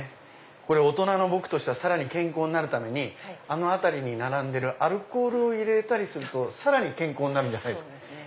大人の僕としてはさらに健康になるためにあの辺りに並んでるアルコールを入れたりするとさらに健康になるんじゃないですか？